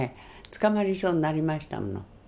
捕まりそうになりましたもの。